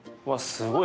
すごい。